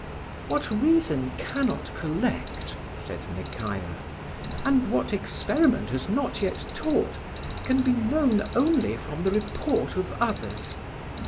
"What reason cannot collect," said Nekayah, "and what experiment has not yet taught, can be known only from the report of others.